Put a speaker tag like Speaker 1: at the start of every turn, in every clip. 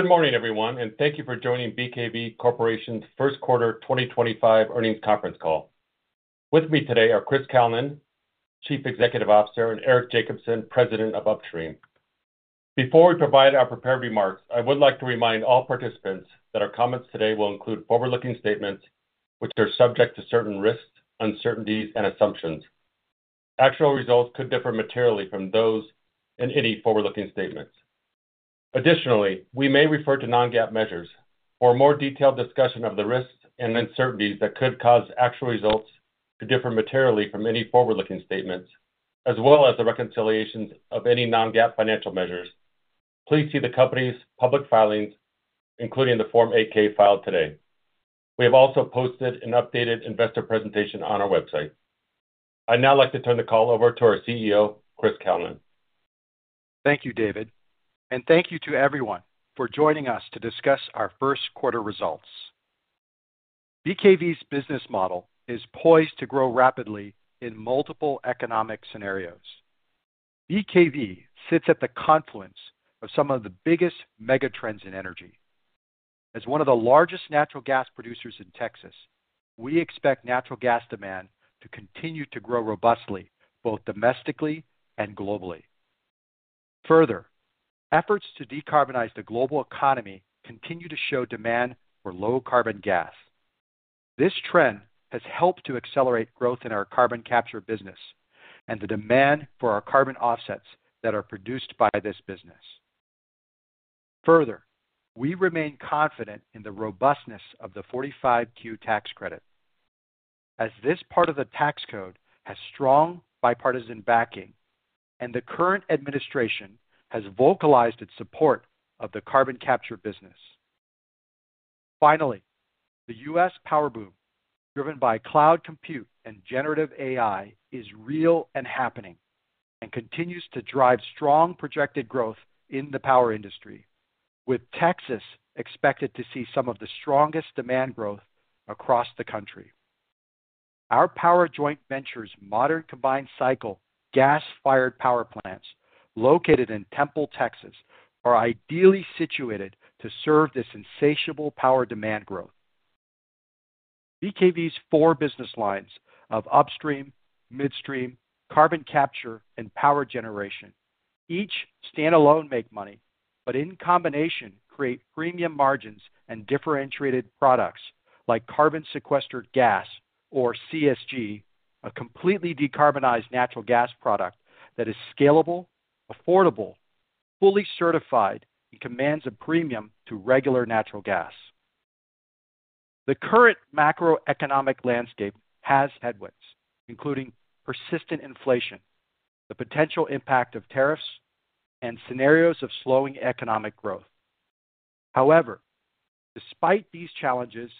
Speaker 1: Good morning, everyone, and thank you for joining BKV Corporation's first quarter 2025 Earnings Conference Call. With me today are Chris Kalnin, Chief Executive Officer, and Eric Jacobsen, President of Upstream. Before we provide our prepared remarks, I would like to remind all participants that our comments today will include forward-looking statements, which are subject to certain risks, uncertainties, and assumptions. Actual results could differ materially from those in any forward-looking statements. Additionally, we may refer to non-GAAP measures for a more detailed discussion of the risks and uncertainties that could cause actual results to differ materially from any forward-looking statements, as well as the reconciliations of any non-GAAP financial measures. Please see the company's public filings, including the Form 8-K filed today. We have also posted an updated investor presentation on our website. I'd now like to turn the call over to our CEO, Chris Kalnin.
Speaker 2: Thank you, David, and thank you to everyone for joining us to discuss our first quarter results. BKV's business model is poised to grow rapidly in multiple economic scenarios. BKV sits at the confluence of some of the biggest megatrends in energy. As one of the largest natural gas producers in Texas, we expect natural gas demand to continue to grow robustly, both domestically and globally. Further, efforts to decarbonize the global economy continue to show demand for low-carbon gas. This trend has helped to accelerate growth in our carbon capture business and the demand for our carbon offsets that are produced by this business. Further, we remain confident in the robustness of the 45Q tax credit, as this part of the tax code has strong bipartisan backing, and the current administration has vocalized its support of the carbon capture business. Finally, the US power boom driven by cloud compute and generative AI is real and happening, and continues to drive strong projected growth in the power industry, with Texas expected to see some of the strongest demand growth across the country. Our Power Joint Ventures' modern combined cycle gas-fired power plants located in Temple, Texas, are ideally situated to serve this insatiable power demand growth. BKV's four business lines of upstream, midstream, carbon capture, and power generation each stand alone, make money, but in combination create premium margins and differentiated products like carbon sequestered gas, or CSG, a completely decarbonized natural gas product that is scalable, affordable, fully certified, and commands a premium to regular natural gas. The current macroeconomic landscape has headwinds, including persistent inflation, the potential impact of tariffs, and scenarios of slowing economic growth. However, despite these challenges,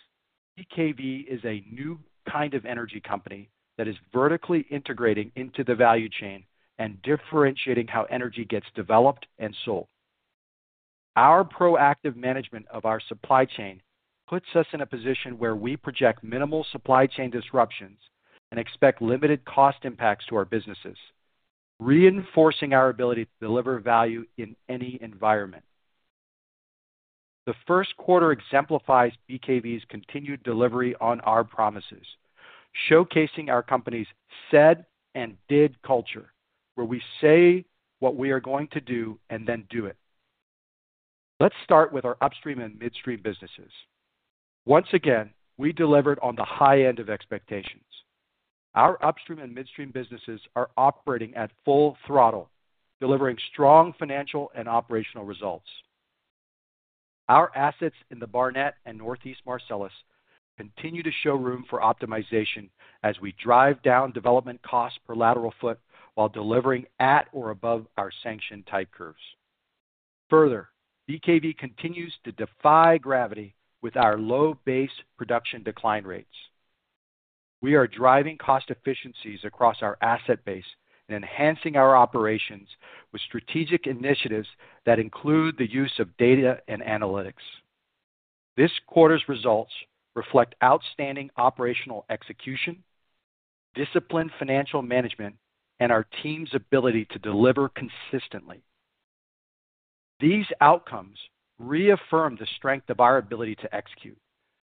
Speaker 2: BKV is a new kind of energy company that is vertically integrating into the value chain and differentiating how energy gets developed and sold. Our proactive management of our supply chain puts us in a position where we project minimal supply chain disruptions and expect limited cost impacts to our businesses, reinforcing our ability to deliver value in any environment. The first quarter exemplifies BKV's continued delivery on our promises, showcasing our company's said-and-did culture, where we say what we are going to do and then do it. Let's start with our upstream and midstream businesses. Once again, we delivered on the high end of expectations. Our upstream and midstream businesses are operating at full throttle, delivering strong financial and operational results. Our assets in the Barnett and Northeast Marcellus continue to show room for optimization as we drive down development costs per lateral foot while delivering at or above our sanctioned tight curves. Further, BKV continues to defy gravity with our low base production decline rates. We are driving cost efficiencies across our asset base and enhancing our operations with strategic initiatives that include the use of data and analytics. This quarter's results reflect outstanding operational execution, disciplined financial management, and our team's ability to deliver consistently. These outcomes reaffirm the strength of our ability to execute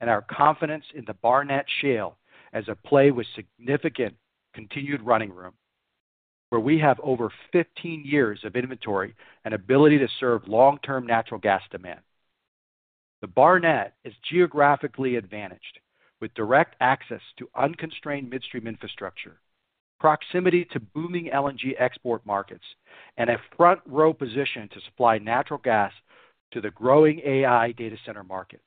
Speaker 2: and our confidence in the Barnett Shale as a play with significant continued running room, where we have over 15 years of inventory and ability to serve long-term natural gas demand. The Barnett is geographically advantaged, with direct access to unconstrained midstream infrastructure, proximity to booming LNG export markets, and a front-row position to supply natural gas to the growing AI data center market.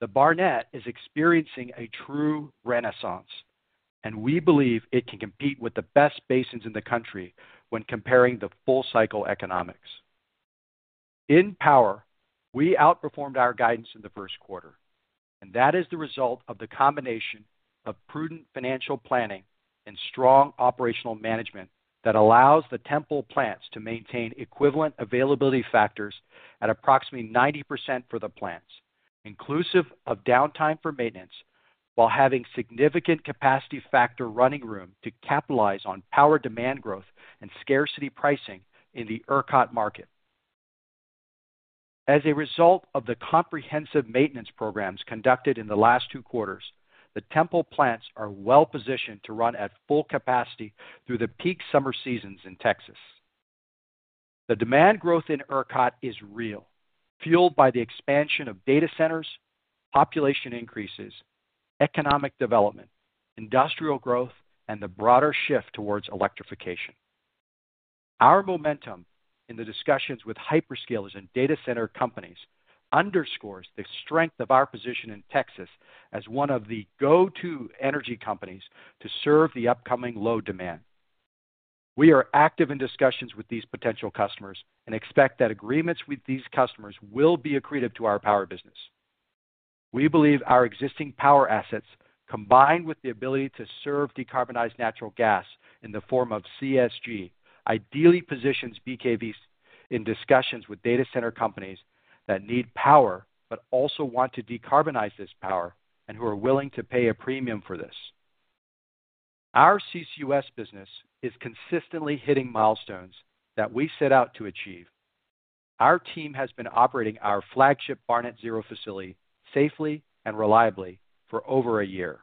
Speaker 2: The Barnett is experiencing a true renaissance, and we believe it can compete with the best basins in the country when comparing the full-cycle economics. In power, we outperformed our guidance in the first quarter, and that is the result of the combination of prudent financial planning and strong operational management that allows the Temple plants to maintain equivalent availability factors at approximately 90% for the plants, inclusive of downtime for maintenance, while having significant capacity factor running room to capitalize on power demand growth and scarcity pricing in the ERCOT market. As a result of the comprehensive maintenance programs conducted in the last two quarters, the Temple plants are well-positioned to run at full capacity through the peak summer seasons in Texas. The demand growth in ERCOT is real, fueled by the expansion of data centers, population increases, economic development, industrial growth, and the broader shift towards electrification. Our momentum in the discussions with hyperscalers and data center companies underscores the strength of our position in Texas as one of the go-to energy companies to serve the upcoming load demand. We are active in discussions with these potential customers and expect that agreements with these customers will be accretive to our power business. We believe our existing power assets, combined with the ability to serve decarbonized natural gas in the form of CSG, ideally positions BKVs in discussions with data center companies that need power but also want to decarbonize this power and who are willing to pay a premium for this. Our CCUS business is consistently hitting milestones that we set out to achieve. Our team has been operating our flagship Barnett Zero facility safely and reliably for over a year,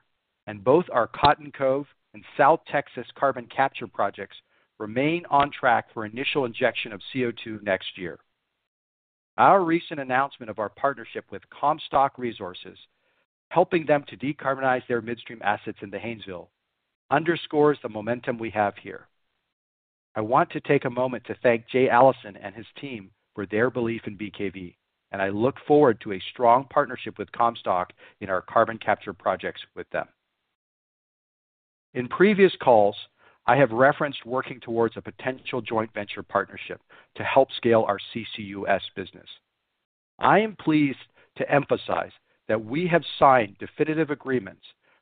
Speaker 2: and both our Cotton Cove and South Texas carbon capture projects remain on track for initial injection of CO2 next year. Our recent announcement of our partnership with Comstock Resources, helping them to decarbonize their midstream assets in the Haynesville, underscores the momentum we have here. I want to take a moment to thank Jay Allison and his team for their belief in BKV, and I look forward to a strong partnership with Comstock in our carbon capture projects with them. In previous calls, I have referenced working towards a potential joint venture partnership to help scale our CCUS business. I am pleased to emphasize that we have signed definitive agreements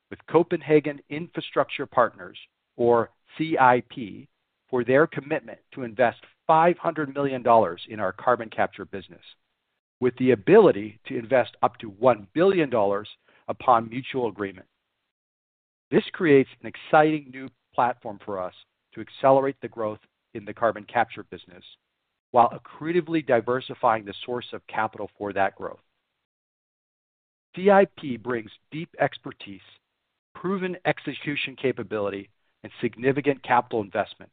Speaker 2: with Copenhagen Infrastructure Partners, or CIP, for their commitment to invest $500 million in our carbon capture business, with the ability to invest up to $1 billion upon mutual agreement. This creates an exciting new platform for us to accelerate the growth in the carbon capture business while accretively diversifying the source of capital for that growth. CIP brings deep expertise, proven execution capability, and significant capital investment,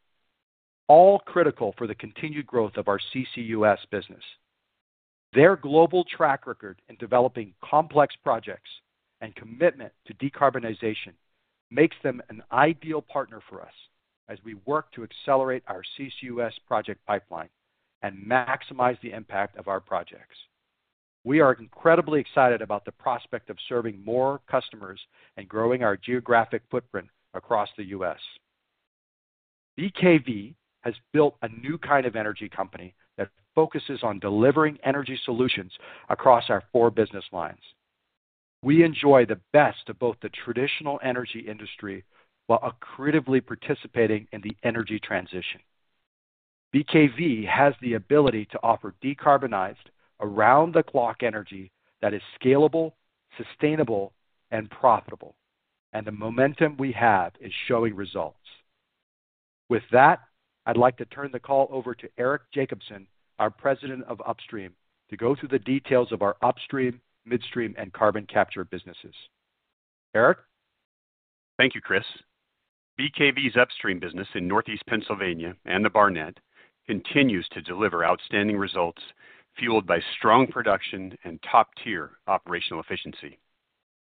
Speaker 2: all critical for the continued growth of our CCUS business. Their global track record in developing complex projects and commitment to decarbonization makes them an ideal partner for us as we work to accelerate our CCUS project pipeline and maximize the impact of our projects. We are incredibly excited about the prospect of serving more customers and growing our geographic footprint across the U.S. BKV has built a new kind of energy company that focuses on delivering energy solutions across our four business lines. We enjoy the best of both the traditional energy industry while accretively participating in the energy transition. BKV has the ability to offer decarbonized, around-the-clock energy that is scalable, sustainable, and profitable, and the momentum we have is showing results. With that, I'd like to turn the call over to Eric Jacobsen, our President of Upstream, to go through the details of our upstream, midstream, and carbon capture businesses. Eric?
Speaker 3: Thank you, Chris. BKV's upstream business in Northeast Pennsylvania and the Barnett continues to deliver outstanding results fueled by strong production and top-tier operational efficiency.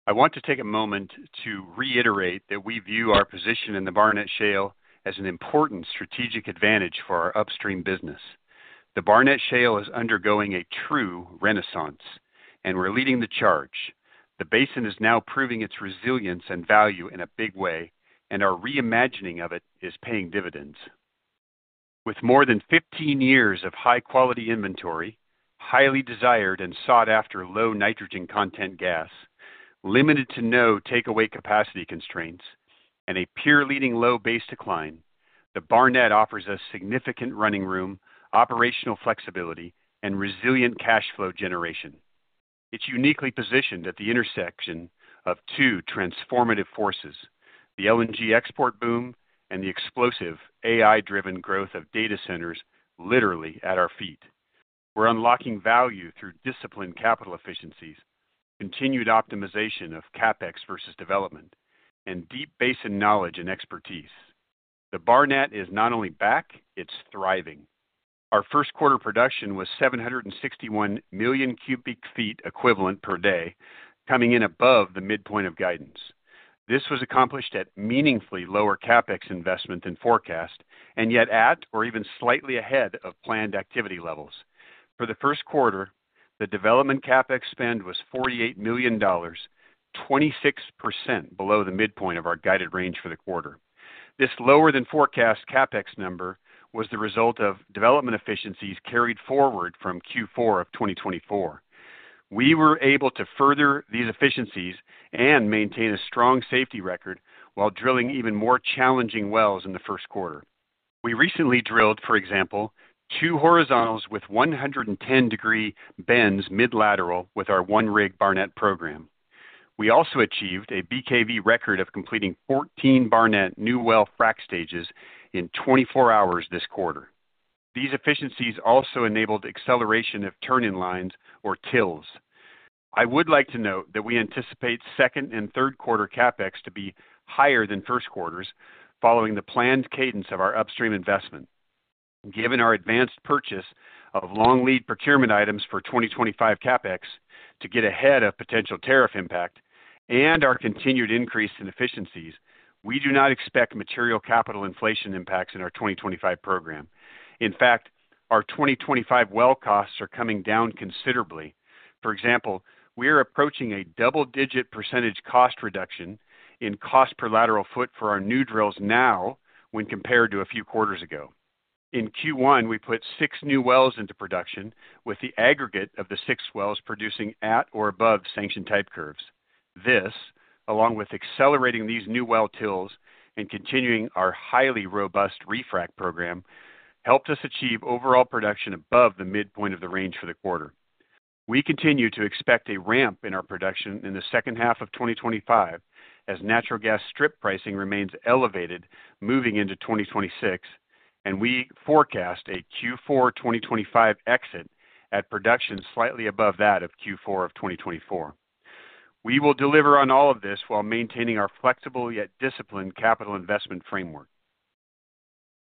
Speaker 3: I want to take a moment to reiterate that we view our position in the Barnett Shale as an important strategic advantage for our upstream business. The Barnett Shale is undergoing a true renaissance, and we're leading the charge. The basin is now proving its resilience and value in a big way, and our reimagining of it is paying dividends. With more than 15 years of high-quality inventory, highly desired and sought-after low-nitrogen content gas, limited-to-no takeaway capacity constraints, and a peer-leading low base decline, the Barnett offers us significant running room, operational flexibility, and resilient cash flow generation. It's uniquely positioned at the intersection of two transformative forces: the LNG export boom and the explosive AI-driven growth of data centers literally at our feet. We're unlocking value through disciplined capital efficiencies, continued optimization of CapEx versus development, and deep basin knowledge and expertise. The Barnett is not only back; it's thriving. Our first quarter production was 761 million cubic feet equivalent per day, coming in above the midpoint of guidance. This was accomplished at meaningfully lower CapEx investment than forecast, and yet at or even slightly ahead of planned activity levels. For the first quarter, the development CapEx spend was $48 million, 26% below the midpoint of our guided range for the quarter. This lower-than-forecast CapEx number was the result of development efficiencies carried forward from Q4 of 2024. We were able to further these efficiencies and maintain a strong safety record while drilling even more challenging wells in the first quarter. We recently drilled, for example, two horizontals with 110-degree bends mid-lateral with our one-rig Barnett program. We also achieved a BKV record of completing 14 Barnett new well frac stages in 24 hours this quarter. These efficiencies also enabled acceleration of turn-in lines, or TILs. I would like to note that we anticipate second and third quarter CapEx to be higher than first quarter's, following the planned cadence of our upstream investment. Given our advanced purchase of long-lead procurement items for 2025 CapEx to get ahead of potential tariff impact and our continued increase in efficiencies, we do not expect material capital inflation impacts in our 2025 program. In fact, our 2025 well costs are coming down considerably. For example, we are approaching a double-digit percentage cost reduction in cost per lateral foot for our new drills now when compared to a few quarters ago. In Q1, we put six new wells into production, with the aggregate of the six wells producing at or above sanctioned type curves. This, along with accelerating these new well TILs and continuing our highly robust refrac program, helped us achieve overall production above the midpoint of the range for the quarter. We continue to expect a ramp in our production in the second half of 2025 as natural gas strip pricing remains elevated moving into 2026, and we forecast a Q4 2025 exit at production slightly above that of Q4 of 2024. We will deliver on all of this while maintaining our flexible yet disciplined capital investment framework.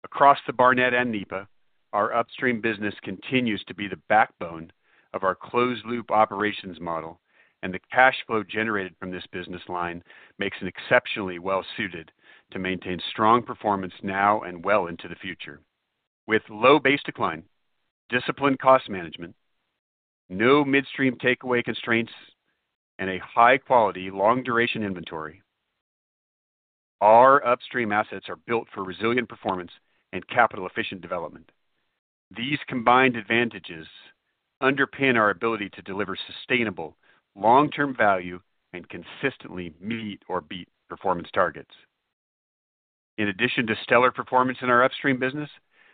Speaker 3: Across the Barnett and NEPA, our upstream business continues to be the backbone of our closed-loop operations model, and the cash flow generated from this business line makes it exceptionally well-suited to maintain strong performance now and well into the future. With low base decline, disciplined cost management, no midstream takeaway constraints, and a high-quality, long-duration inventory, our upstream assets are built for resilient performance and capital-efficient development. These combined advantages underpin our ability to deliver sustainable, long-term value and consistently meet or beat performance targets. In addition to stellar performance in our upstream business,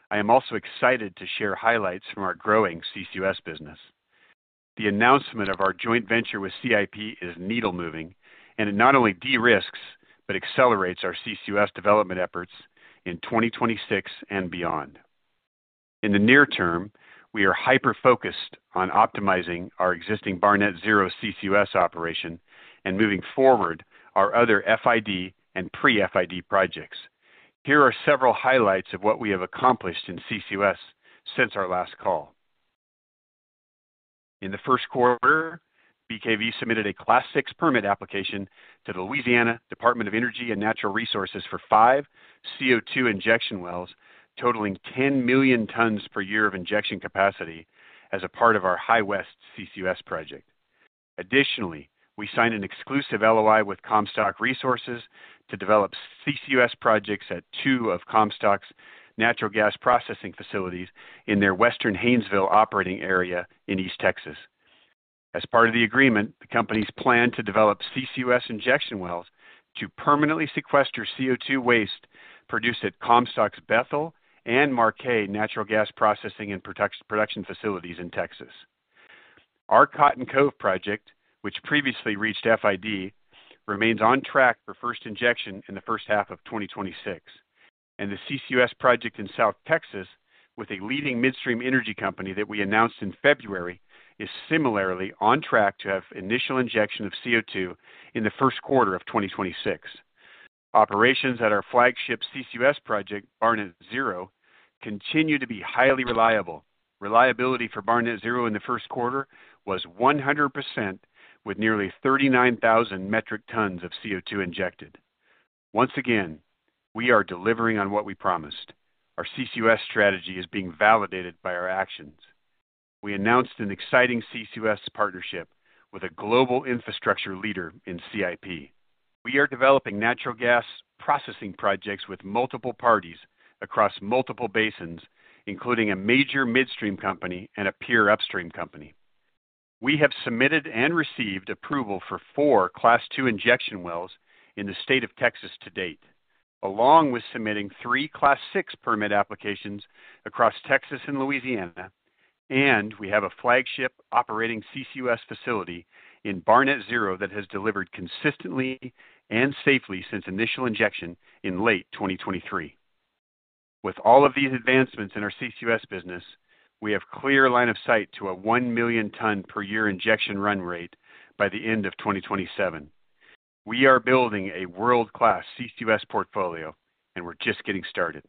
Speaker 3: I am also excited to share highlights from our growing CCUS business. The announcement of our joint venture with CIP is needle-moving, and it not only de-risks but accelerates our CCUS development efforts in 2026 and beyond. In the near term, we are hyper-focused on optimizing our existing Barnett Zero CCUS operation and moving forward our other FID and pre-FID projects. Here are several highlights of what we have accomplished in CCUS since our last call. In the first quarter, BKV submitted a Class VI permit application to the Louisiana Department of Energy and Natural Resources for five CO2 injection wells totaling 10 million tons per year of injection capacity as a part of our High West CCUS project. Additionally, we signed an exclusive LOI with Comstock Resources to develop CCUS projects at two of Comstock's natural gas processing facilities in their Western Haynesville operating area in East Texas. As part of the agreement, the company's plan to develop CCUS injection wells to permanently sequester CO2 waste produced at Comstock's Bethel and Marquez natural gas processing and production facilities in Texas. Our Cotton Cove project, which previously reached FID, remains on track for first injection in the first half of 2026, and the CCUS project in South Texas, with a leading midstream energy company that we announced in February, is similarly on track to have initial injection of CO2 in the first quarter of 2026. Operations at our flagship CCUS project, Barnett Zero, continue to be highly reliable. Reliability for Barnett Zero in the first quarter was 100%, with nearly 39,000 metric tons of CO2 injected. Once again, we are delivering on what we promised. Our CCUS strategy is being validated by our actions. We announced an exciting CCUS partnership with a global infrastructure leader in CIP. We are developing natural gas processing projects with multiple parties across multiple basins, including a major midstream company and a peer upstream company. We have submitted and received approval for four Class II injection wells in the state of Texas to date, along with submitting three Class VI permit applications across Texas and Louisiana, and we have a flagship operating CCUS facility in Barnett Zero that has delivered consistently and safely since initial injection in late 2023. With all of these advancements in our CCUS business, we have a clear line of sight to a 1 million ton per year injection run rate by the end of 2027. We are building a world-class CCUS portfolio, and we're just getting started.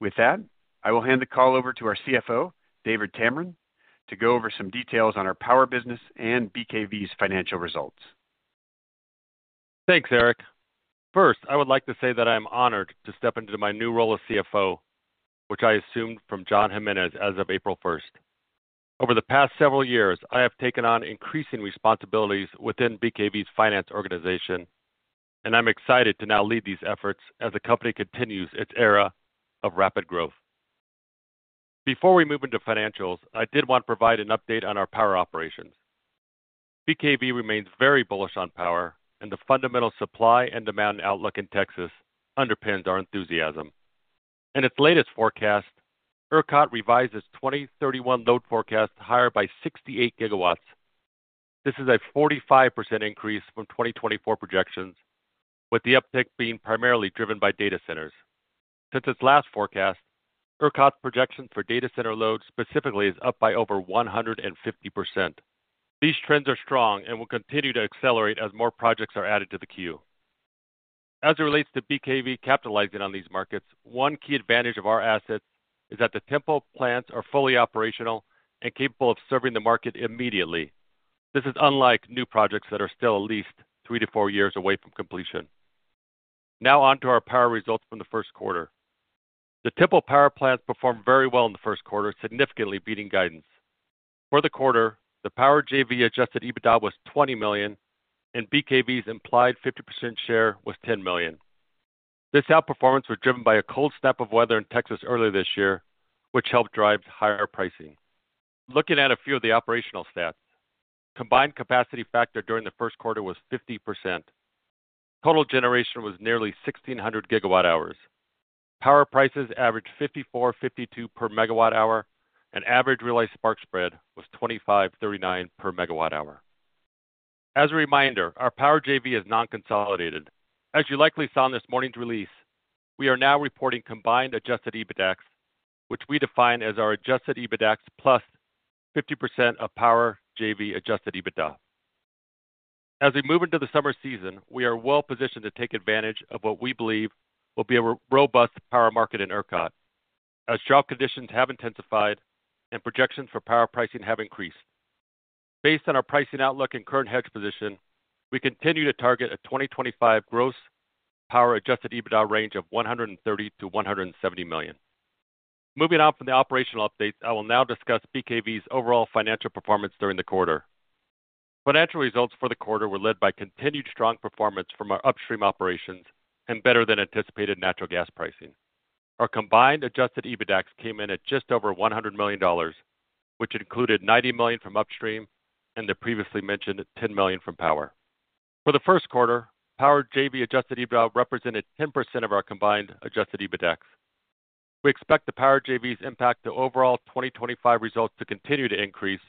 Speaker 3: With that, I will hand the call over to our CFO, David Tameron, to go over some details on our power business and BKV's financial results.
Speaker 4: Thanks, Eric. First, I would like to say that I am honored to step into my new role as CFO, which I assumed from John Jimenez as of April 1. Over the past several years, I have taken on increasing responsibilities within BKV's finance organization, and I'm excited to now lead these efforts as the company continues its era of rapid growth. Before we move into financials, I did want to provide an update on our power operations. BKV remains very bullish on power, and the fundamental supply and demand outlook in Texas underpins our enthusiasm. In its latest forecast, ERCOT revised its 2031 load forecast higher by 68 GW. This is a 45% increase from 2024 projections, with the uptick being primarily driven by data centers. Since its last forecast, ERCOT's projection for data center load specifically is up by over 150%. These trends are strong and will continue to accelerate as more projects are added to the queue. As it relates to BKV capitalizing on these markets, one key advantage of our assets is that the Temple plants are fully operational and capable of serving the market immediately. This is unlike new projects that are still at least three to four years away from completion. Now on to our power results from the first quarter. The Temple power plants performed very well in the first quarter, significantly beating guidance. For the quarter, the power JV adjusted EBITDA was $20 million, and BKV's implied 50% share was $10 million. This outperformance was driven by a cold snap of weather in Texas earlier this year, which helped drive higher pricing. Looking at a few of the operational stats, the combined capacity factor during the first quarter was 50%. Total generation was nearly 1,600 GWh. Power prices averaged $54.52 per MWh, and average relay spark spread was $25.39 per MWh. As a reminder, our power JV is non-consolidated. As you likely saw in this morning's release, we are now reporting combined adjusted EBITDAs, which we define as our adjusted EBITDAs plus 50% of power JV adjusted EBITDA. As we move into the summer season, we are well-positioned to take advantage of what we believe will be a robust power market in ERCOT, as drought conditions have intensified and projections for power pricing have increased. Based on our pricing outlook and current hedge position, we continue to target a 2025 gross power adjusted EBITDA range of $130 million-$170 million. Moving on from the operational updates, I will now discuss BKV's overall financial performance during the quarter. Financial results for the quarter were led by continued strong performance from our upstream operations and better than anticipated natural gas pricing. Our combined adjusted EBITDA came in at just over $100 million, which included $90 million from upstream and the previously mentioned $10 million from power. For the first quarter, power JV adjusted EBITDA represented 10% of our combined adjusted EBITDA. We expect the power JV's impact to overall 2025 results to continue to increase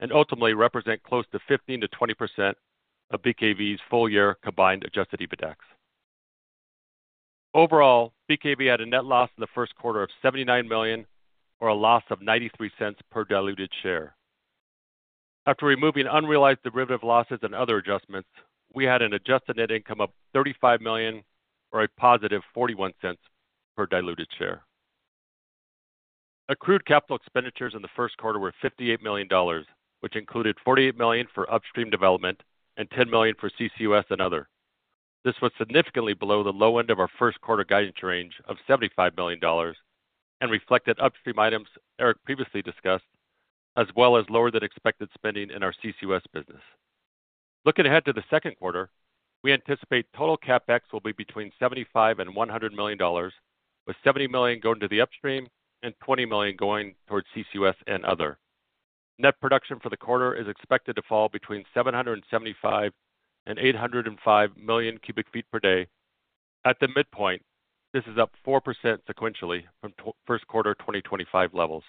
Speaker 4: and ultimately represent close to 15 to 20% of BKV's full-year combined adjusted EBITDA. Overall, BKV had a net loss in the first quarter of $79 million, or a loss of $0.93 per diluted share. After removing unrealized derivative losses and other adjustments, we had an adjusted net income of $35 million, or a positive $0.41 per diluted share. Accrued capital expenditures in the first quarter were $58 million, which included $48 million for upstream development and $10 million for CCUS and other. This was significantly below the low end of our first quarter guidance range of $75 million and reflected upstream items Eric previously discussed, as well as lower than expected spending in our CCUS business. Looking ahead to the second quarter, we anticipate total CapEx will be between $75 million and $100 million, with $70 million going to the upstream and $20 million going towards CCUS and other. Net production for the quarter is expected to fall between 775 million and 805 million cubic feet per day. At the midpoint, this is up 4% sequentially from first quarter 2025 levels.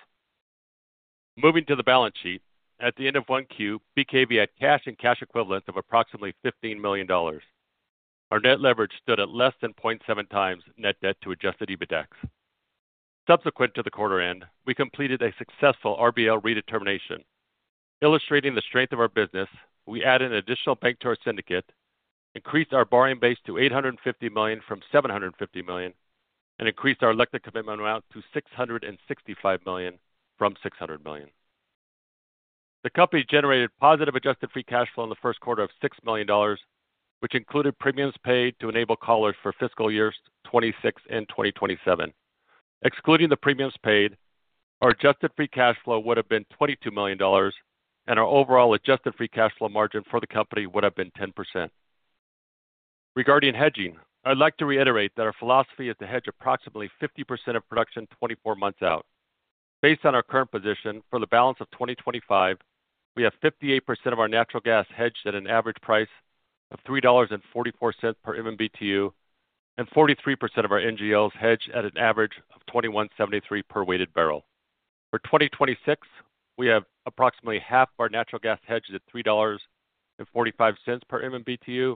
Speaker 4: Moving to the balance sheet, at the end of Q1, BKV had cash and cash equivalents of approximately $15 million. Our net leverage stood at less than 0.7 times net debt to adjusted EBITDA. Subsequent to the quarter end, we completed a successful RBL redetermination. Illustrating the strength of our business, we added an additional bank to our syndicate, increased our borrowing base to $850 million from $750 million, and increased our electric commitment amount to $665 million from $600 million. The company generated positive adjusted free cash flow in the first quarter of $6 million, which included premiums paid to enable callers for fiscal years 2026 and 2027. Excluding the premiums paid, our adjusted free cash flow would have been $22 million, and our overall adjusted free cash flow margin for the company would have been 10%. Regarding hedging, I'd like to reiterate that our philosophy is to hedge approximately 50% of production 24 months out. Based on our current position, for the balance of 2025, we have 58% of our natural gas hedged at an average price of $3.44 per MMBtu, and 43% of our NGOs hedged at an average of $21.73 per weighted barrel. For 2026, we have approximately half of our natural gas hedged at $3.45 per MMBtu,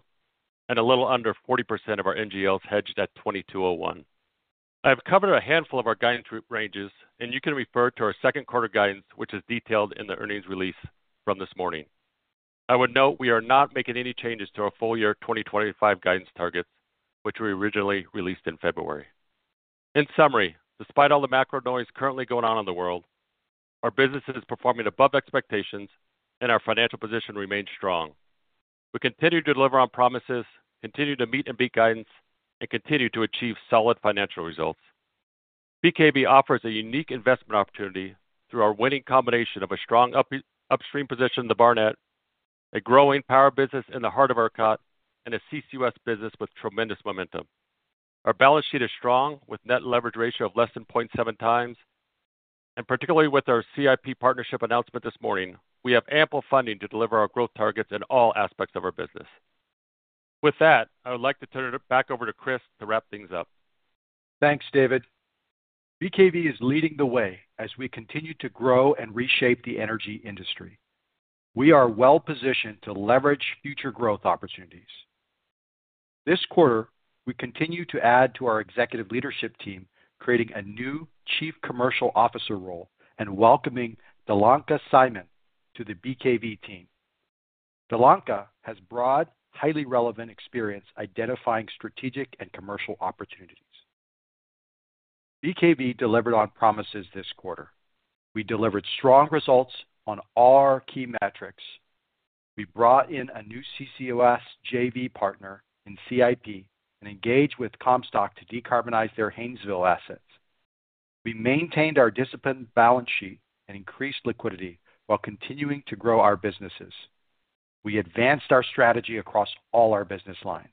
Speaker 4: and a little under 40% of our NGOs hedged at $22.01. I have covered a handful of our guidance ranges, and you can refer to our second quarter guidance, which is detailed in the earnings release from this morning. I would note we are not making any changes to our full-year 2025 guidance targets, which we originally released in February. In summary, despite all the macro noise currently going on in the world, our business is performing above expectations, and our financial position remains strong. We continue to deliver on promises, continue to meet and beat guidance, and continue to achieve solid financial results. BKV offers a unique investment opportunity through our winning combination of a strong upstream position in the Barnett, a growing power business in the heart of ERCOT, and a CCUS business with tremendous momentum. Our balance sheet is strong with a net leverage ratio of less than 0.7x, and particularly with our CIP partnership announcement this morning, we have ample funding to deliver our growth targets in all aspects of our business. With that, I would like to turn it back over to Chris to wrap things up.
Speaker 2: Thanks, David. BKV is leading the way as we continue to grow and reshape the energy industry. We are well-positioned to leverage future growth opportunities. This quarter, we continue to add to our executive leadership team, creating a new Chief Commercial Officer role and welcoming Delanca Simon to the BKV team. Delanca has broad, highly relevant experience identifying strategic and commercial opportunities. BKV delivered on promises this quarter. We delivered strong results on all our key metrics. We brought in a new CCUS JV partner in CIP and engaged with Comstock to decarbonize their Haynesville assets. We maintained our disciplined balance sheet and increased liquidity while continuing to grow our businesses. We advanced our strategy across all our business lines.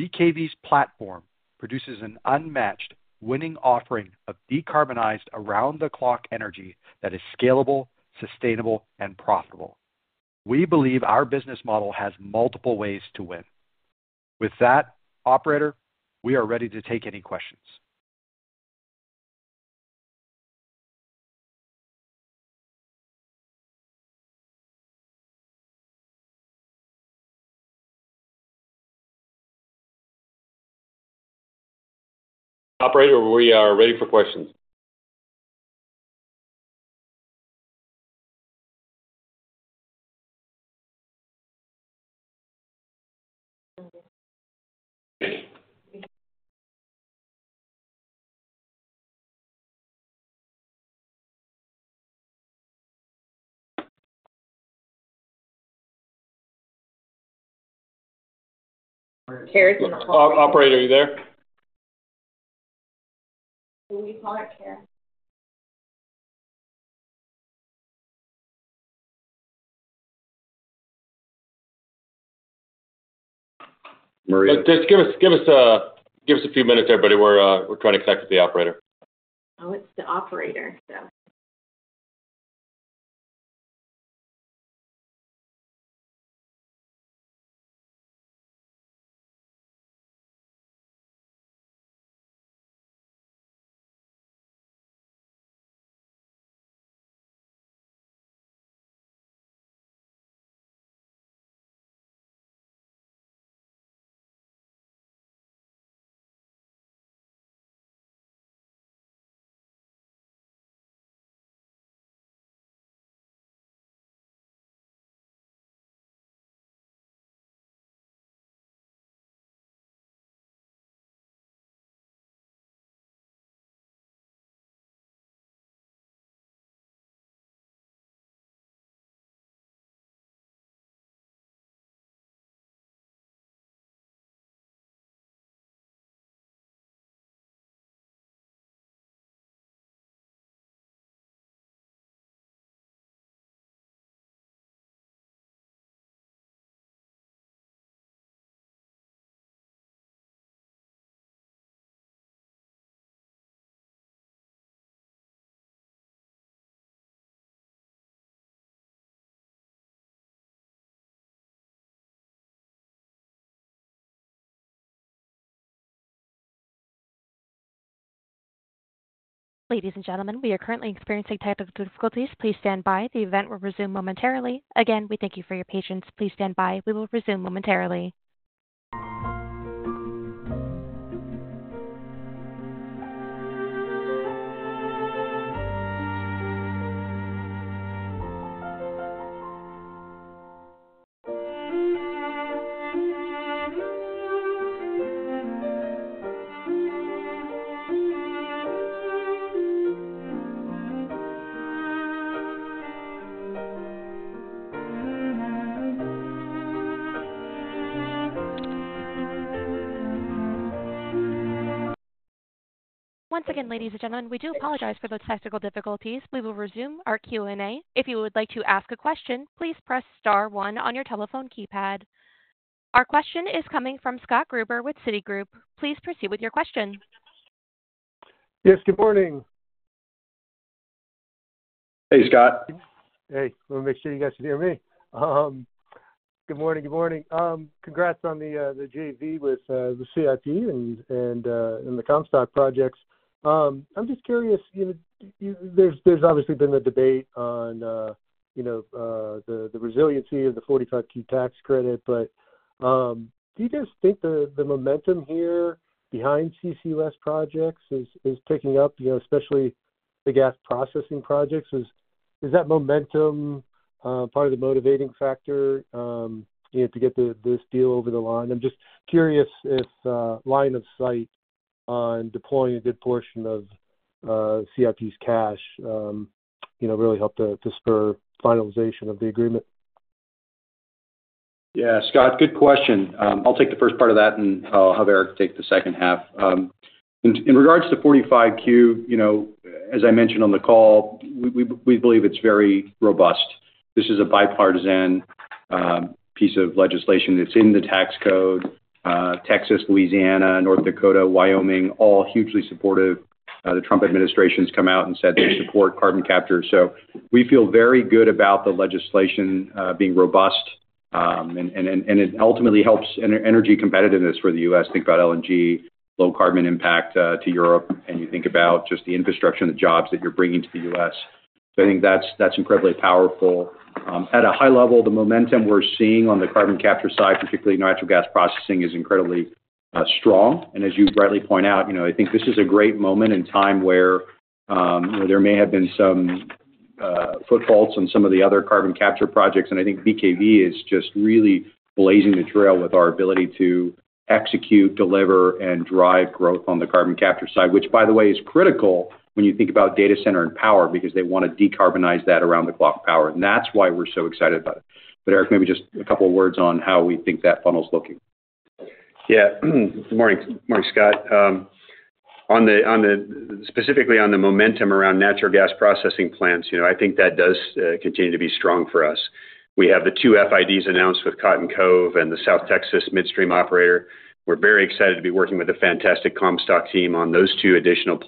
Speaker 2: BKV's platform produces an unmatched, winning offering of decarbonized around-the-clock energy that is scalable, sustainable, and profitable. We believe our business model has multiple ways to win. With that, operator, we are ready to take any questions. Operator, we are ready for questions.
Speaker 5: Or Karen in the hall.
Speaker 2: Operator, are you there?
Speaker 5: Can we call it Karen?
Speaker 2: Maria. Just give us a few minutes, everybody. We're trying to connect with the operator.
Speaker 5: Oh, it's the operator, so.
Speaker 1: Ladies and gentlemen, we are currently experiencing technical difficulties. Please stand by. The event will resume momentarily. Again, we thank you for your patience. Please stand by. We will resume momentarily. Once again, ladies and gentlemen, we do apologize for those technical difficulties. We will resume our Q&A. If you would like to ask a question, please press star one on your telephone Fkeypad. Our question is coming from Scott Gruber with Citigroup. Please proceed with your question.
Speaker 6: Yes, good morning.
Speaker 2: Hey, Scott.
Speaker 6: Hey. Let me make sure you guys can hear me. Good morning, good morning. Congrats on the JV with the CIP and the Comstock projects. I'm just curious, there's obviously been the debate on the resiliency of the 45Q tax credit, but do you guys think the momentum here behind CCUS projects is picking up, especially the gas processing projects? Is that momentum part of the motivating factor to get this deal over the line? I'm just curious if line of sight on deploying a good portion of CIP's cash really helped to spur finalization of the agreement.
Speaker 2: Yeah, Scott, good question. I'll take the first part of that, and I'll have Eric take the second half. In regards to 45Q, as I mentioned on the call, we believe it's very robust. This is a bipartisan piece of legislation. It's in the tax code. Texas, Louisiana, North Dakota, Wyoming, all hugely supportive. The Trump administration's come out and said they support carbon capture. We feel very good about the legislation being robust, and it ultimately helps energy competitiveness for the U.S. Think about LNG, low carbon impact to Europe, and you think about just the infrastructure and the jobs that you're bringing to the U.S. I think that's incredibly powerful. At a high level, the momentum we're seeing on the carbon capture side, particularly natural gas processing, is incredibly strong. As you rightly point out, I think this is a great moment in time where there may have been some footfalls on some of the other carbon capture projects. I think BKV is just really blazing the trail with our ability to execute, deliver, and drive growth on the carbon capture side, which, by the way, is critical when you think about data center and power because they want to decarbonize that around-the-clock power. That is why we are so excited about it. Eric, maybe just a couple of words on how we think that funnel is looking.
Speaker 3: Yeah. Good morning, Scott. Specifically on the momentum around natural gas processing plants, I think that does continue to be strong for us. We have the two FIDs announced with Cotton Cove and the South Texas midstream operator. We're very excited to be working with the fantastic Comstock team on those two additional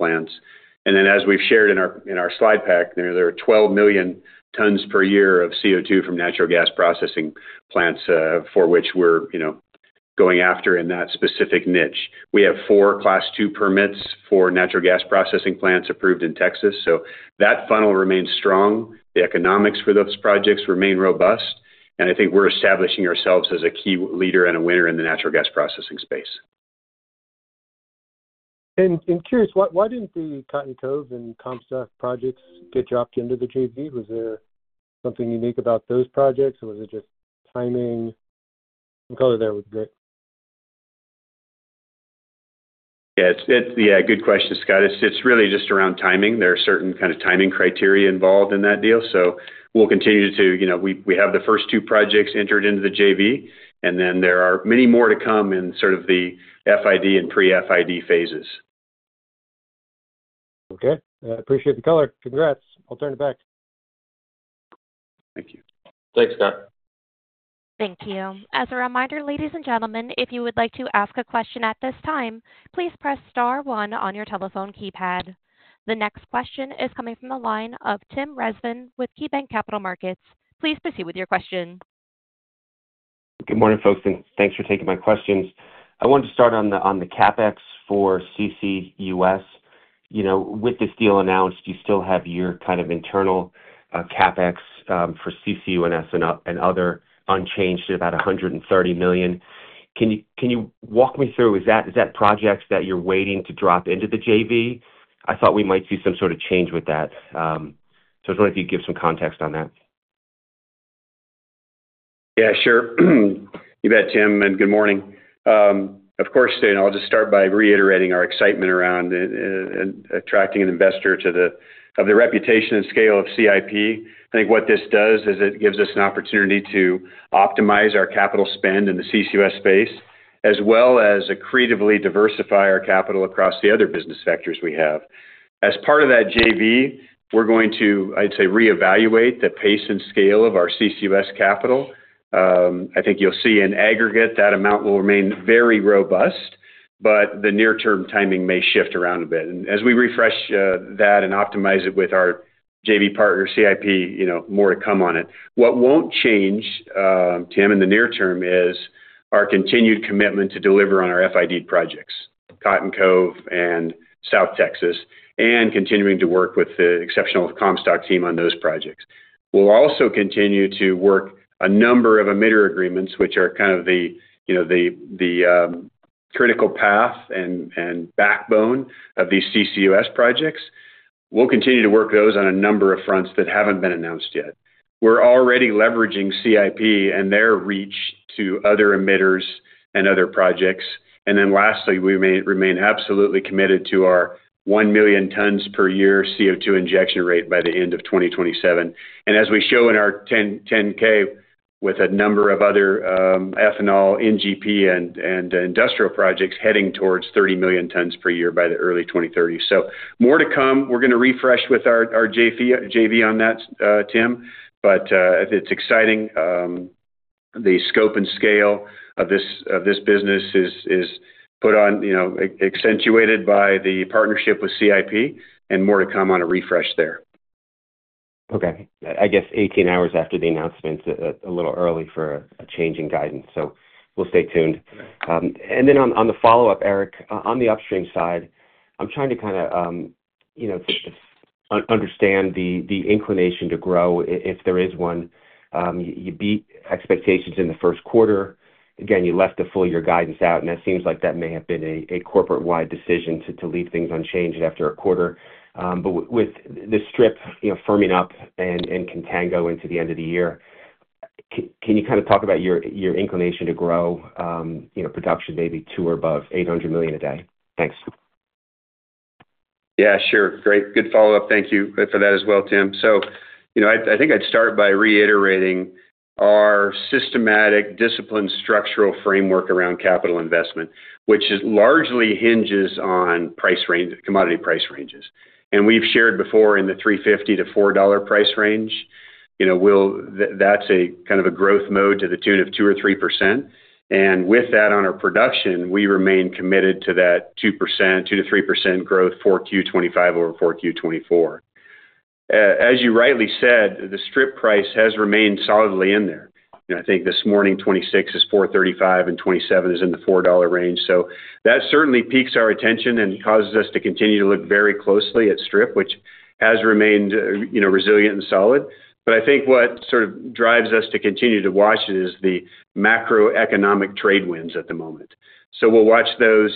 Speaker 3: plants. As we've shared in our slide pack, there are 12 million tons per year of CO2 from natural gas processing plants for which we're going after in that specific niche. We have four Class II permits for natural gas processing plants approved in Texas. That funnel remains strong. The economics for those projects remain robust. I think we're establishing ourselves as a key leader and a winner in the natural gas processing space.
Speaker 6: Curious, why did not the Cotton Cove and Comstock projects get dropped into the JV? Was there something unique about those projects, or was it just timing? You can call it whatever you like.
Speaker 3: Yeah, good question, Scott. It's really just around timing. There are certain kinds of timing criteria involved in that deal. We'll continue to—we have the first two projects entered into the JV, and then there are many more to come in sort of the FID and pre-FID phases.
Speaker 6: Okay. Appreciate the color. Congrats. I'll turn it back.
Speaker 3: Thank you.
Speaker 2: Thanks, Scott.
Speaker 1: Thank you. As a reminder, ladies and gentlemen, if you would like to ask a question at this time, please press star one on your telephone keypad. The next question is coming from the line of Tim Rezvan with KeyBanc Capital Markets. Please proceed with your question.
Speaker 7: Good morning, folks, and thanks for taking my questions. I wanted to start on the CapEx for CCUS. With this deal announced, you still have your kind of internal CapEx for CCUS and other unchanged at about $130 million. Can you walk me through? Is that projects that you're waiting to drop into the JV? I thought we might see some sort of change with that. I just wanted to give some context on that.
Speaker 3: Yeah, sure. You bet, Tim, and good morning. Of course, I'll just start by reiterating our excitement around attracting an investor to the reputation and scale of CIP. I think what this does is it gives us an opportunity to optimize our capital spend in the CCUS space, as well as accretively diversify our capital across the other business sectors we have. As part of that JV, we're going to, I'd say, reevaluate the pace and scale of our CCUS capital. I think you'll see in aggregate that amount will remain very robust, but the near-term timing may shift around a bit. As we refresh that and optimize it with our JV partner, CIP, more to come on it. What will not change, Tim, in the near term is our continued commitment to deliver on our FID projects, Cotton Cove and South Texas, and continuing to work with the exceptional Comstock team on those projects. We will also continue to work a number of emitter agreements, which are kind of the critical path and backbone of these CCUS projects. We will continue to work those on a number of fronts that have not been announced yet. We are already leveraging CIP and their reach to other emitters and other projects. Lastly, we remain absolutely committed to our 1 million tons per year CO2 injection rate by the end of 2027. As we show in our 10K, with a number of other ethanol, NGP, and industrial projects heading towards 30 million tons per year by the early 2030s, more to come. We're going to refresh with our JV on that, Tim, but it's exciting. The scope and scale of this business is put on, accentuated by the partnership with CIP, and more to come on a refresh there.
Speaker 7: Okay. I guess 18 hours after the announcement, a little early for a change in guidance. We'll stay tuned. On the follow-up, Eric, on the upstream side, I'm trying to kind of understand the inclination to grow, if there is one. You beat expectations in the first quarter. Again, you left the full year guidance out, and that seems like that may have been a corporate-wide decision to leave things unchanged after a quarter. With the strip firming up and contango into the end of the year, can you kind of talk about your inclination to grow production maybe to or above 800 million a day? Thanks.
Speaker 3: Yeah, sure. Great. Good follow-up. Thank you for that as well, Tim. I think I'd start by reiterating our systematic, disciplined, structural framework around capital investment, which largely hinges on commodity price ranges. We've shared before in the $3.50 to $4 price range, that's a kind of a growth mode to the tune of 2% or 3%. With that on our production, we remain committed to that 2% to 3% growth for Q2 2025 over Q4 2024. As you rightly said, the strip price has remained solidly in there. I think this morning, 2026 is $4.35, and 2027 is in the $4 range. That certainly piques our attention and causes us to continue to look very closely at strip, which has remained resilient and solid. I think what sort of drives us to continue to watch it is the macroeconomic trade winds at the moment. We'll watch those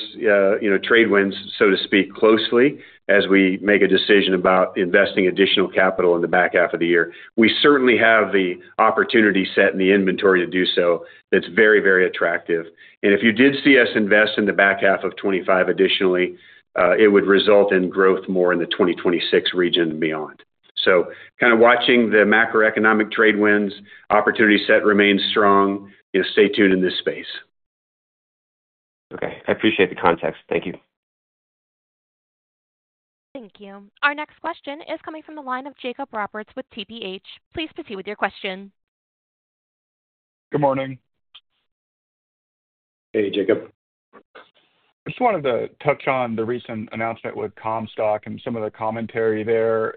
Speaker 3: trade winds, so to speak, closely as we make a decision about investing additional capital in the back half of the year. We certainly have the opportunity set and the inventory to do so that's very, very attractive. If you did see us invest in the back half of 2025 additionally, it would result in growth more in the 2026 region and beyond. Kind of watching the macroeconomic trade winds, opportunity set remains strong. Stay tuned in this space.
Speaker 7: Okay. I appreciate the context. Thank you.
Speaker 1: Thank you. Our next question is coming from the line of Jacob Roberts with TPH. Please proceed with your question.
Speaker 8: Good morning.
Speaker 2: Hey, Jacob.
Speaker 8: I just wanted to touch on the recent announcement with Comstock and some of the commentary there.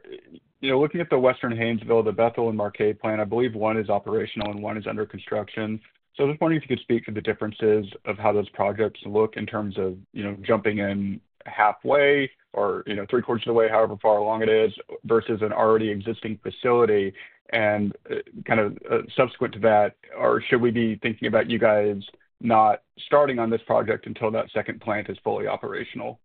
Speaker 8: Looking at the Western Haynesville, the Bethel and Marquez plant, I believe one is operational and one is under construction. I was just wondering if you could speak to the differences of how those projects look in terms of jumping in halfway or three-quarters of the way, however far along it is, versus an already existing facility. Kind of subsequent to that, should we be thinking about you guys not starting on this project until that second plant is fully operational?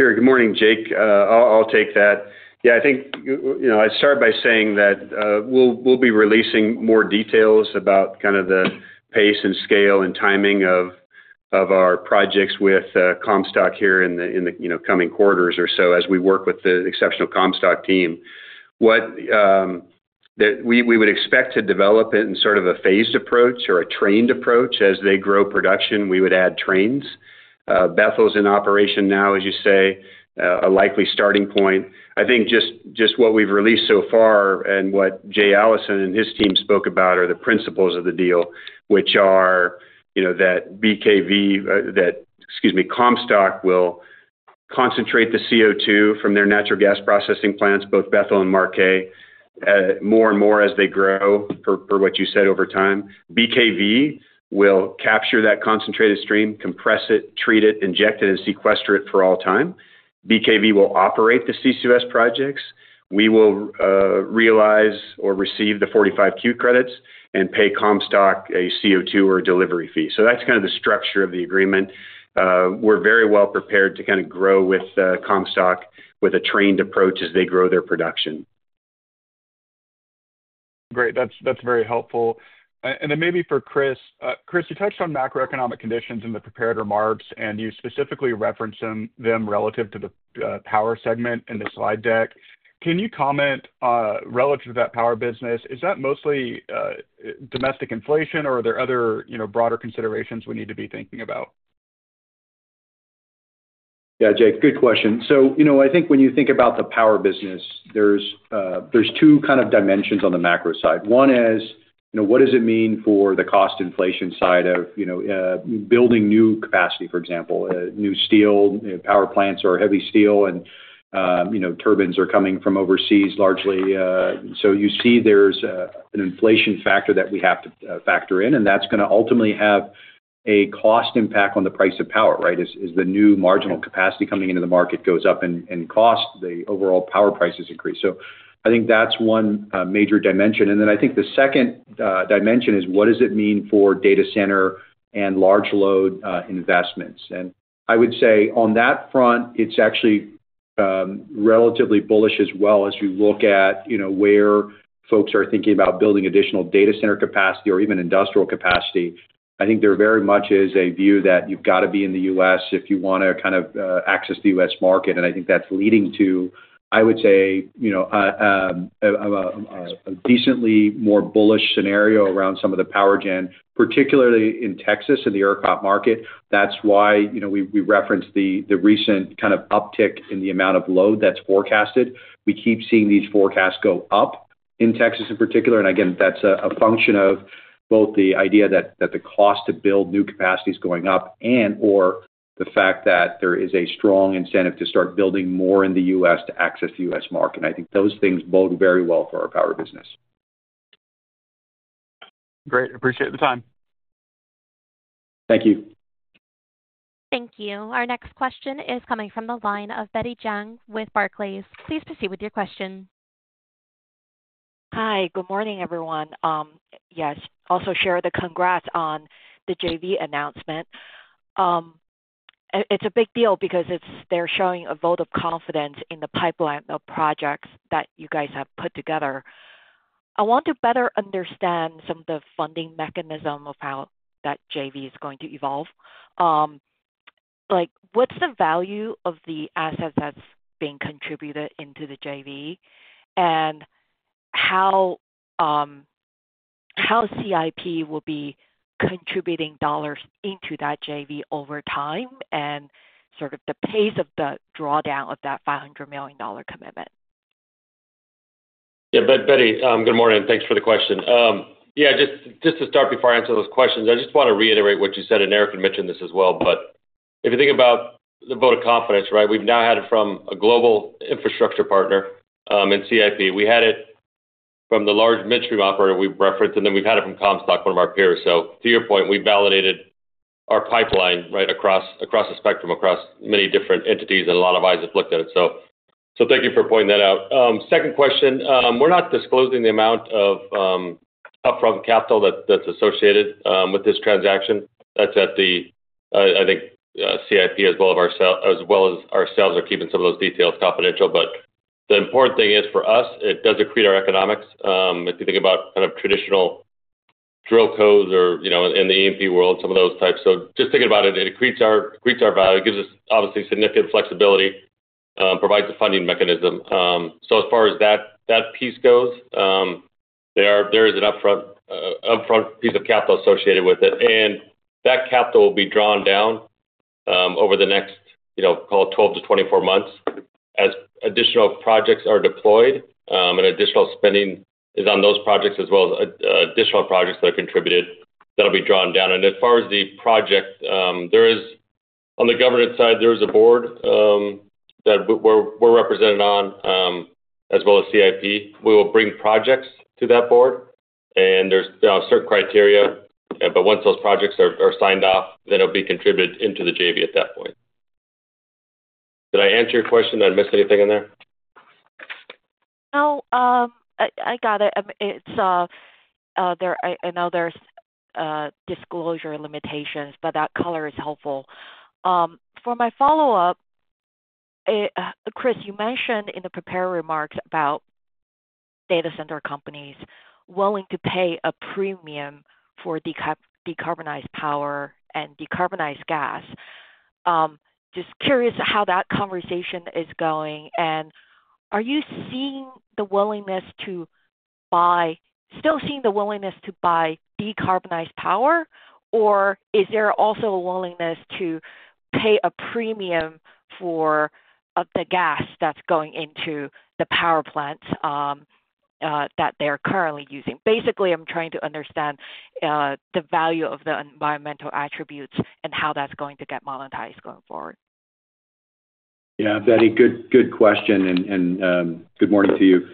Speaker 3: Sure. Good morning, Jake. I'll take that. Yeah, I think I start by saying that we'll be releasing more details about kind of the pace and scale and timing of our projects with Comstock here in the coming quarters or so as we work with the exceptional Comstock team. We would expect to develop it in sort of a phased approach or a train approach. As they grow production, we would add trains. Bethel's in operation now, as you say, a likely starting point. I think just what we've released so far and what Jay Allison and his team spoke about are the principles of the deal, which are that BKV, excuse me, Comstock will concentrate the CO2 from their natural gas processing plants, both Bethel and Marquez, more and more as they grow, per what you said over time. BKV will capture that concentrated stream, compress it, treat it, inject it, and sequester it for all time. BKV will operate the CCUS projects. We will realize or receive the 45Q credits and pay Comstock a CO2 or a delivery fee. That is kind of the structure of the agreement. We are very well prepared to kind of grow with Comstock with a trained approach as they grow their production.
Speaker 8: Great. That's very helpful. Maybe for Chris. Chris, you touched on macroeconomic conditions in the prepared remarks, and you specifically referenced them relative to the power segment in the slide deck. Can you comment relative to that power business? Is that mostly domestic inflation, or are there other broader considerations we need to be thinking about?
Speaker 2: Yeah, Jake, good question. I think when you think about the power business, there are two kind of dimensions on the macro side. One is, what does it mean for the cost inflation side of building new capacity, for example, new steel power plants or heavy steel and turbines are coming from overseas largely? You see there is an inflation factor that we have to factor in, and that is going to ultimately have a cost impact on the price of power, right? As the new marginal capacity coming into the market goes up in cost, the overall power prices increase. I think that is one major dimension. I think the second dimension is, what does it mean for data center and large load investments? I would say on that front, it's actually relatively bullish as well as you look at where folks are thinking about building additional data center capacity or even industrial capacity. I think there very much is a view that you've got to be in the U.S. if you want to kind of access the US market. I think that's leading to, I would say, a decently more bullish scenario around some of the power generation, particularly in Texas and the aircraft market. That's why we referenced the recent kind of uptick in the amount of load that's forecasted. We keep seeing these forecasts go up in Texas in particular. That is a function of both the idea that the cost to build new capacity is going up and/or the fact that there is a strong incentive to start building more in the U.S. to access the US market. I think those things bode very well for our power business.
Speaker 8: Great. Appreciate the time.
Speaker 2: Thank you.
Speaker 1: Thank you. Our next question is coming from the line of Betty Jiang with Barclays. Please proceed with your question.
Speaker 9: Hi. Good morning, everyone. Yes. Also share the congrats on the JV announcement. It's a big deal because they're showing a vote of confidence in the pipeline of projects that you guys have put together. I want to better understand some of the funding mechanism of how that JV is going to evolve. What's the value of the assets that's being contributed into the JV, and how CIP will be contributing dollars into that JV over time, and sort of the pace of the drawdown of that $500 million commitment?
Speaker 3: Yeah. Betty, good morning. Thanks for the question. Yeah, just to start before I answer those questions, I just want to reiterate what you said. Eric had mentioned this as well, but if you think about the vote of confidence, right, we've now had it from a global infrastructure partner in CIP. We had it from the large midstream operator we've referenced, and then we've had it from Comstock, one of our peers. To your point, we validated our pipeline right across the spectrum, across many different entities and a lot of eyes have looked at it. Thank you for pointing that out. Second question, we're not disclosing the amount of upfront capital that's associated with this transaction. I think CIP as well as ourselves are keeping some of those details confidential. The important thing is for us, it does accrete our economics. If you think about kind of traditional drill codes or in the E&P world, some of those types. Just thinking about it, it accretes our value. It gives us, obviously, significant flexibility, provides a funding mechanism. As far as that piece goes, there is an upfront piece of capital associated with it. That capital will be drawn down over the next, call it 12 to 24 months as additional projects are deployed and additional spending is on those projects as well as additional projects that are contributed that'll be drawn down. As far as the project, on the governance side, there is a board that we're represented on as well as CIP. We will bring projects to that board, and there is certain criteria. Once those projects are signed off, then it'll be contributed into the JV at that point. Did I answer your question? Did I miss anything in there?
Speaker 9: No, I got it. I know there's disclosure limitations, but that color is helpful. For my follow-up, Chris, you mentioned in the prepared remarks about data center companies willing to pay a premium for decarbonized power and decarbonized gas. Just curious how that conversation is going. Are you seeing the willingness to buy, still seeing the willingness to buy decarbonized power, or is there also a willingness to pay a premium for the gas that's going into the power plants that they're currently using? Basically, I'm trying to understand the value of the environmental attributes and how that's going to get monetized going forward.
Speaker 2: Yeah, Betty, good question. And good morning to you.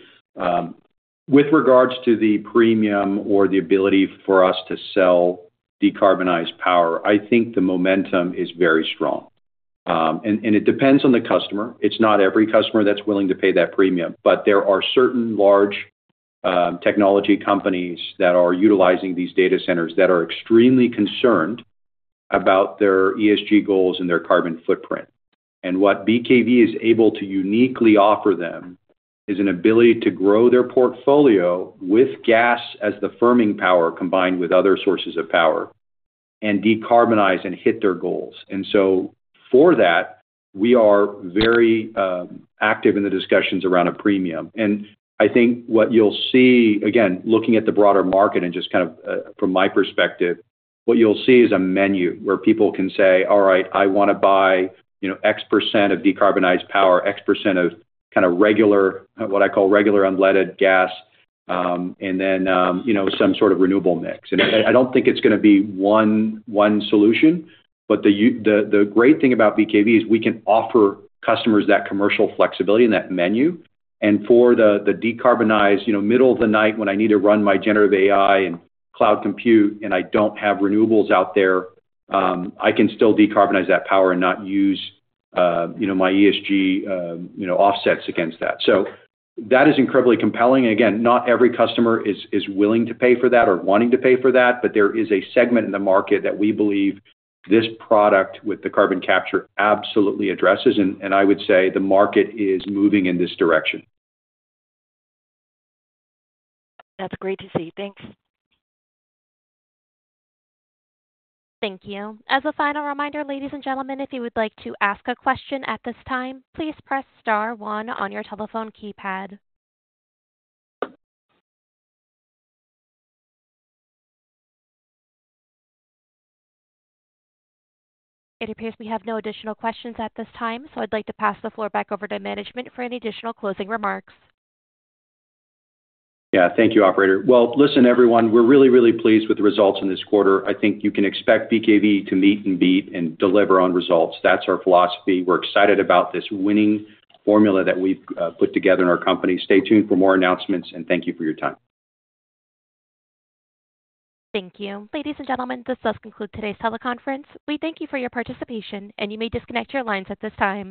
Speaker 2: With regards to the premium or the ability for us to sell decarbonized power, I think the momentum is very strong. It depends on the customer. It's not every customer that's willing to pay that premium, but there are certain large technology companies that are utilizing these data centers that are extremely concerned about their ESG goals and their carbon footprint. What BKV is able to uniquely offer them is an ability to grow their portfolio with gas as the firming power combined with other sources of power and decarbonize and hit their goals. For that, we are very active in the discussions around a premium. I think what you'll see, again, looking at the broader market and just kind of from my perspective, what you'll see is a menu where people can say, "All right, I want to buy X% of decarbonized power, X% of kind of regular, what I call regular unleaded gas, and then some sort of renewable mix." I do not think it's going to be one solution, but the great thing about BKV is we can offer customers that commercial flexibility and that menu. For the decarbonized, middle of the night when I need to run my generative AI and cloud compute and I do not have renewables out there, I can still decarbonize that power and not use my ESG offsets against that. That is incredibly compelling. Again, not every customer is willing to pay for that or wanting to pay for that, but there is a segment in the market that we believe this product with the carbon capture absolutely addresses. I would say the market is moving in this direction.
Speaker 9: That's great to see. Thanks.
Speaker 1: Thank you. As a final reminder, ladies and gentlemen, if you would like to ask a question at this time, please press star one on your telephone keypad. It appears we have no additional questions at this time, so I'd like to pass the floor back over to management for any additional closing remarks.
Speaker 2: Yeah. Thank you, operator. Listen, everyone, we're really, really pleased with the results in this quarter. I think you can expect BKV to meet and beat and deliver on results. That's our philosophy. We're excited about this winning formula that we've put together in our company. Stay tuned for more announcements, and thank you for your time.
Speaker 1: Thank you. Ladies and gentlemen, this does conclude today's teleconference. We thank you for your participation, and you may disconnect your lines at this time.